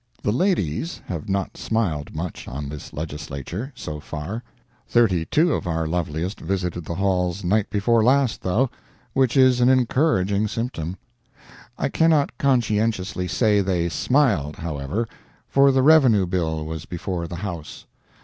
The ladies have not smiled much on this Legislature, so far. Thirty two of our loveliest visited the halls night before last, though, which is an encouraging symptom. I cannot conscientiously say they smiled, however, for the Revenue bill was before the House.